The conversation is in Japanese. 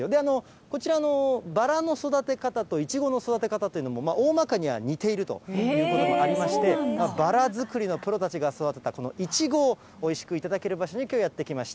こちらのバラの育て方とイチゴの育て方というのも、大まかには似ているということもありまして、バラ作りのプロたちが育てたこのイチゴをおいしく頂ける場所に、きょうはやって来ました。